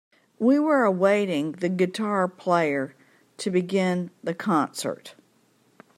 We were awaiting the guitar player to begin the concert.